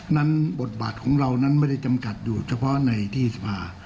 บทบาทของเรานั้นไม่ได้จำกัดอยู่เฉพาะในที่สภา